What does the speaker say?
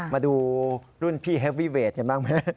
มาดูรุ่นพี่เฮ้อวิเวทอย่างน้อยไหม